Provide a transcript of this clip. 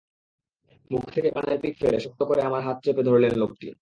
মুখ থেকে পানের পিক ফেলে শক্ত করে আমার হাত চেপে ধরলেন লোকটি।